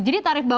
jadi tarif bawah